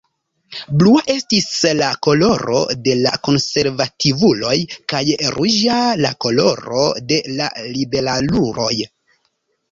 Blua estis la koloro de la konservativuloj, kaj ruĝa la koloro de la liberaluloj.